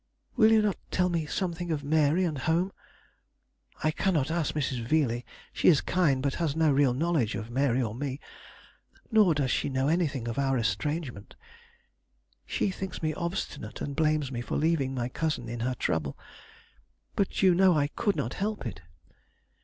Will you not tell me something of Mary and home? I cannot ask Mrs. Veeley; she is kind, but has no real knowledge of Mary or me, nor does she know anything of our estrangement. She thinks me obstinate, and blames me for leaving my cousin in her trouble. But you know I could not help it.